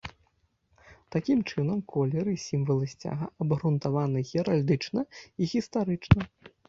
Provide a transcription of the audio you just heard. Такім чынам, колеры і сімвалы сцяга абгрунтаваны геральдычна і гістарычна.